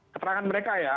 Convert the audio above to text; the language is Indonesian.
keterangan mereka ya